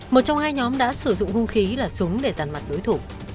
một trong hai nhóm đã sử dụng hung khí là súng để giàn mặt đối thủ